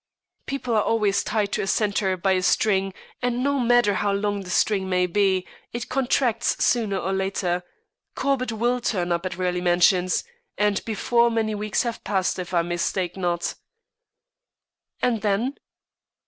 "People are always tied to a centre by a string, and no matter how long the string may be, it contracts sooner or later. Corbett will turn up at Raleigh Mansions, and before very many weeks have passed, if I mistake not." "And then?"